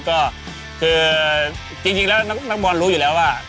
ก็คือจริงแล้วนักบอลรู้อยู่แล้วว่า